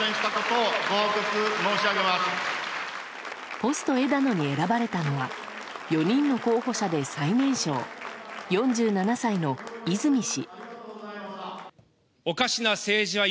ポスト枝野に選ばれたのは４人の候補者で最年少４７歳の泉氏。